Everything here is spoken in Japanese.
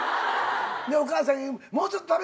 でお母さんにもうちょっと食べなさいとか。